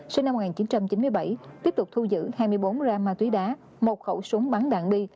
sinh năm một nghìn chín trăm chín mươi bảy tiếp tục thu giữ hai mươi bốn gram ma túy đá một khẩu súng bắn đạn bi